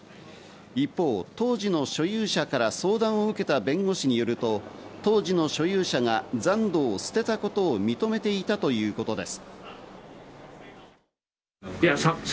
一方、当時の所有者から相談を受けた弁護士によると、当時の所有者が残土を捨てたことを認めていたということです。